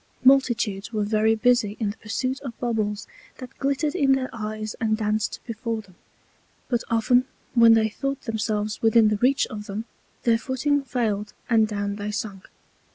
Multitudes were very busy in the Pursuit of Bubbles that glittered in their Eyes and danced before them; but often when they thought themselves within the reach of them their Footing failed and down they sunk.